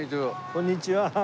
こんにちは。